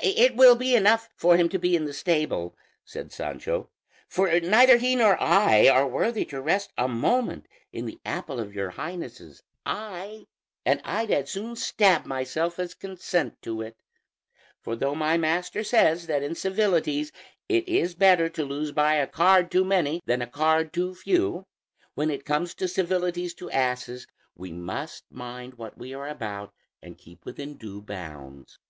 "It will be enough for him to be in the stable," said Sancho, "for neither he nor I are worthy to rest a moment in the apple of your Highness's eye, and I'd as soon stab myself as consent to it; for though my master says that in civilities it is better to lose by a card too many than a card too few, when it comes to civilities to asses we must mind what we are about and keep within due bounds."